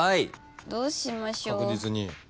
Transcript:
どうしましょう。